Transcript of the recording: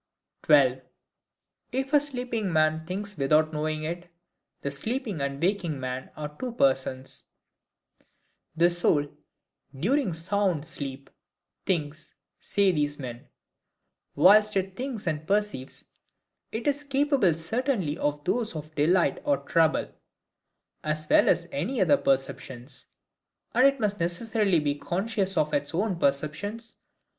12. If a sleeping Man thinks without knowing it, the sleeping and waking Man are two Persons. The soul, during sound sleep, thinks, say these men. Whilst it thinks and perceives, it is capable certainly of those of delight or trouble, as well as any other perceptions; and IT must necessarily be CONSCIOUS of its own perceptions.